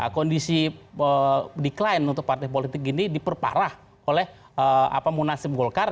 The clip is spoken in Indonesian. kondisi decline untuk partai politik ini diperparah oleh munaslup golkar